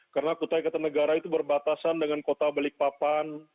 karena kutai kartanegara itu berbatasan dengan kota balikpapan